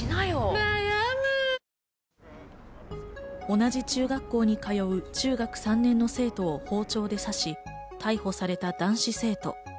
同じ中学校に通う中学３年の生徒を包丁で刺し、逮捕された男子生徒。